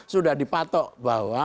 sudah dipatok bahwa